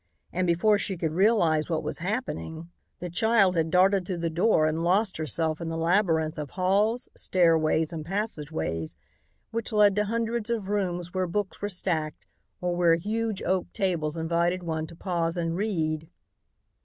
And before she could realize what was happening, the child had darted through the door and lost herself in the labyrinth of halls, stairways and passageways which led to hundreds of rooms where books were stacked or where huge oak tables invited one to pause and read.